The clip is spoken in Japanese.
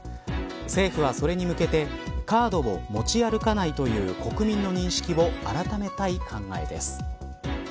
政府は、それに向けてカードを持ち歩かないという国民の認識をあらためたい考えです。